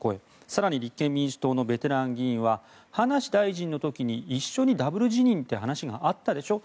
更に立憲民主党のベテラン議員は葉梨大臣の時に一緒にダブル辞任って話があったでしょ